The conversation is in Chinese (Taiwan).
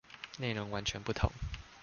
內容完全不同